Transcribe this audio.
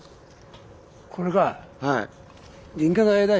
これかい？